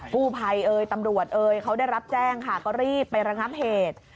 ผู้ภัยตำรวจเขาได้รับแจ้งค่ะก็รีบไประงับเหตุ